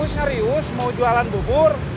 serius mau jualan bubur